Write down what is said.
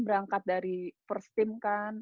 berangkat dari first team kan